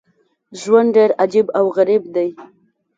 ژوند ډېر عجیب او غریب دی.